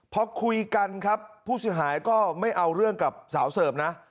พอคุยกันครับผู้เสียหายก็ไม่เอาเรื่องกับสาวเสิร์ฟนะ